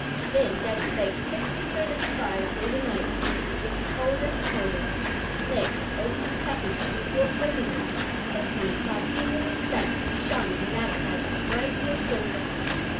Then Daddy Blake fixed the furnace fire for the night, as it was getting colder and colder. Next he opened a package he had brought home with him. Something inside jingled and clanked, and shone in the lamplight as brightly as silver.